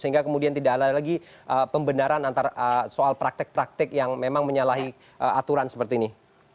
sehingga kemudian tidak ada lagi pembenaran antara soal praktek praktik yang memang menyalahi aturan seperti ini